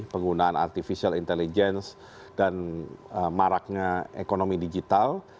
penggunaan artificial intelligence dan maraknya ekonomi digital